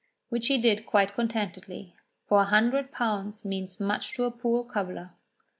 Which he did quite contentedly, for a hundred pounds means much to a poor cobbler.